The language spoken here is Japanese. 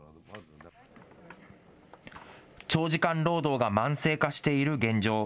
長時間労働が慢性化している現状。